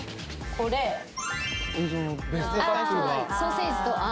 これあソーセージとあ